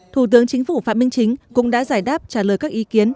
thủ tướng chính phủ phạm minh chính cũng đã giải đáp trả lời các ý kiến